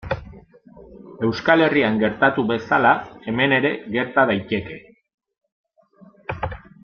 Euskal Herrian gertatu bezala, hemen ere gerta daiteke.